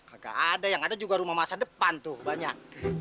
agak ada yang ada juga rumah masa depan tuh banyak